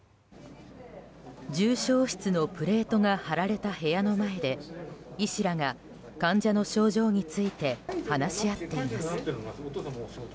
重症室のプレートが貼られた部屋の前で医師らが患者の症状について話し合っています。